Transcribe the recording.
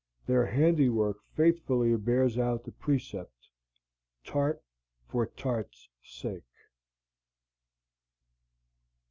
Their handiwork faithfully bears out the precept "Tart for Tart's Sake."